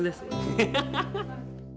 ハハハハ！